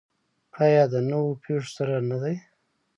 آیا د نویو پیښو سره نه دی؟